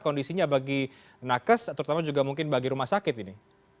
kondisinya bagi nakes terutama juga mungkin bagi rumah sakit ini